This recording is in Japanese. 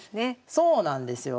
そうなんですよ。